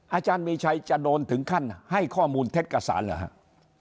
อาจารย์มีชัยจะโดนถึงขั้นให้ข้อมูลเท็จกระสารเหรอครับ